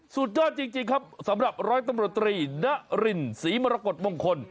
สุดยอดจริงครับสำหรับร้อยตำรวจตรีณรินศรีมรกฏมงคล